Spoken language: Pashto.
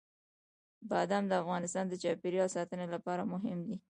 بادام د افغانستان د چاپیریال ساتنې لپاره مهم دي.